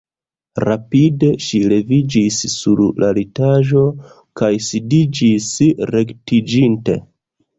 Rapide ŝi leviĝis sur la litaĵo kaj sidiĝis rektiĝinte.